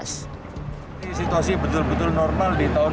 situasi betul betul normal di tahun dua ribu sembilan belas